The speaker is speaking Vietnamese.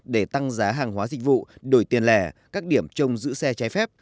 để tăng giá hàng hóa dịch vụ đổi tiền lẻ các điểm trông giữ xe trái phép